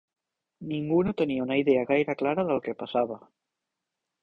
Ningú no tenia una idea gaire clara del que passava